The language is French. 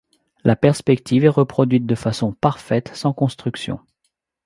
La perspective est reproduite de façon parfaite, sans construction.